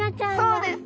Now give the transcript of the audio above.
そうです！